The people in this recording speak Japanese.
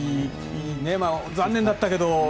残念だったけど。